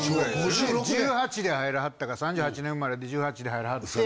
１８で入らはったから３８年生まれで１８で入らはって。